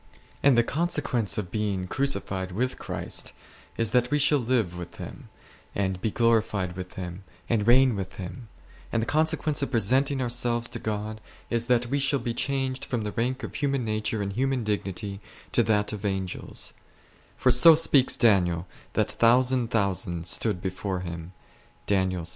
And the consequence of being crucified with Christ is that we shall live with Him, and be glorified with Him, and reign with Him; and the consequence of presenting ourselves to God is that we shall be changed from the rank of human nature and human dignity to that of Angels ; for so speaks Daniel, that " thousand thousands stood before him s."